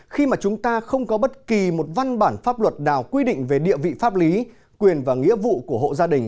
khi mà chúng ta không có bất kỳ một văn bản pháp luật nào quy định về địa vị pháp lý quyền và nghĩa vụ của hộ gia đình